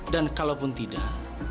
dan kalau pun tidak